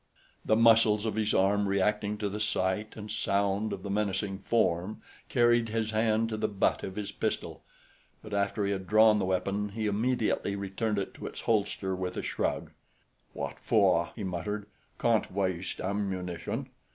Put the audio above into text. The muscles of his arm, reacting to the sight and sound of the menacing form, carried his hand to the butt of his pistol; but after he had drawn the weapon, he immediately returned it to its holster with a shrug. "What for?" he muttered. "Can't waste ammunition."